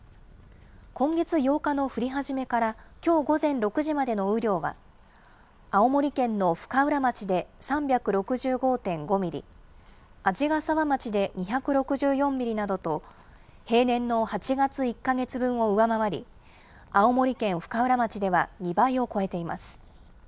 今月８日の降り始めから、きょう午前６時までの雨量は、青森県の深浦町で３６５．５ミリ、鰺ヶ沢町で２６４ミリなどと、平年の８月１か月分を上回り、青森県深浦町では２倍を超えています。